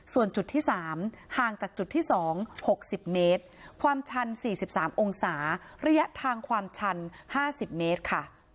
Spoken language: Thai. ส่วนจุดที่๓ห่างจากจุดที่๒๖๐เมตรความชัน๔๓องศาระยะทางความชัน๕๐เมตรค่ะ